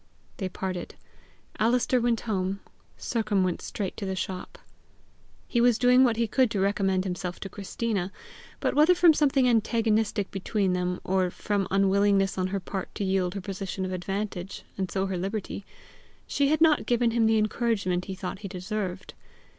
They parted. Alister went home. Sercombe went straight to the shop. He was doing what he could to recommend himself to Christina; but whether from something antagonistic between them, or from unwillingness on her part to yield her position of advantage and so her liberty, she had not given him the encouragement he thought he deserved.